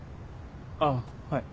あっはい。